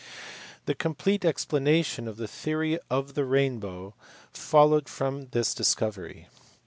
The complete explanation of the theory of the rainbow followed from this discovery.